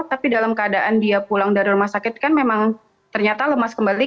tapi dalam keadaan dia pulang dari rumah sakit kan memang ternyata lemas kembali